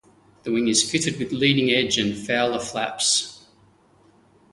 The wing is fitted with leading edge and Fowler flaps.